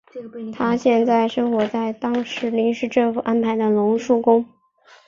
他现在生活在当时临时政府安排的龙树宫。